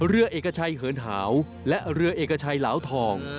เรือเอกชัยเหินหาวและเรือเอกชัยเหลาทอง